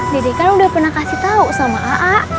dede kan udah pernah kasih tau sama a